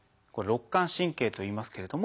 「肋間神経」といいますけれども。